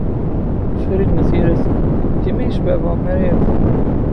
Farid n At Yiraten, dima yesbeɛbuɛ mi ara yerfu.